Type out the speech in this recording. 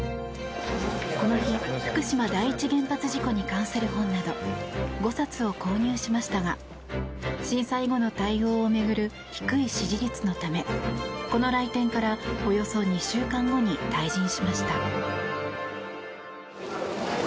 この日福島第一原発事故に関する本など５冊を購入しましたが震災後の対応を巡る低い支持率のためこの来店からおよそ２週間後に退陣しました。